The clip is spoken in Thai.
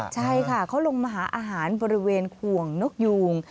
ใช่ค่ะเขาลงมาหาอาหารบริเวณขวงนกยูง